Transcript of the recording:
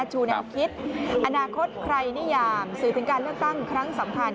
ชูแนวคิดอนาคตใครนิยามสื่อถึงการเลือกตั้งครั้งสำคัญ